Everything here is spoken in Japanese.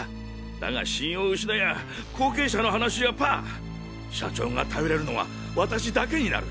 だが信用失やぁ後継者の話はパー社長が頼れるのは私だけになる。